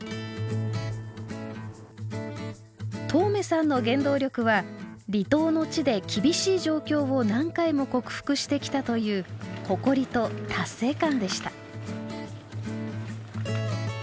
當銘さんの原動力は離島の地で厳しい状況を何回も克服してきたという誇りと達成感でした。